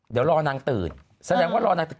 เดี๋ยวรอนางตื่น